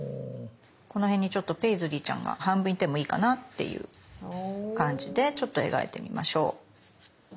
この辺にちょっとペイズリーちゃんが半分いてもいいかなっていう感じでちょっと描いてみましょう。